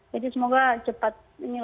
jadi semoga cepat